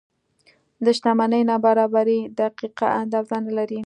د شتمنۍ نابرابرۍ دقیقه اندازه نه لري.